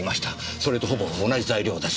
それとほぼ同じ材料です。